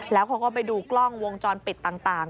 แล้วเขาก็ไปดูกล้องวงจรปิดต่าง